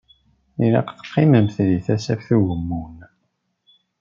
Ilaq teqqimemt di Tasaft Ugemmun.